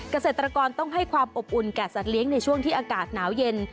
เกษตรกรต้องให้ความอบอุ่นแก่สัตว์เลี้ยงในช่วงที่อากาศหนาวเย็น